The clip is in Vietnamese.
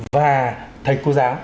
và thầy cô giáo